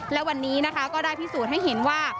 และวันนี้นะคะก็ได้พิสูจน์ให้เห็นว่า